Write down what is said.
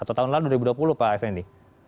atau tahun lalu dua ribu dua puluh pak effendi